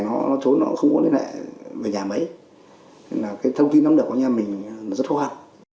nên là cái thông tin đóng đợt của nhà mình rất khó hạn